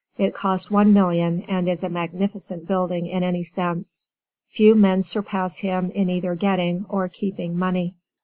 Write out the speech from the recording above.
It cost one million, and is a magnificent building in any sense. Few men surpass him in either getting or keeping money. JOHN W.